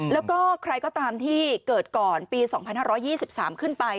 แล้วก็ใครก็ตามที่เกิดก่อนปี๒๕๒๓ขึ้นไป